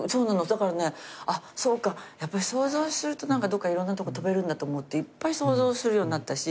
だからねそうか想像するとどっかいろんなとこ飛べるんだって思っていっぱい想像するようになったし。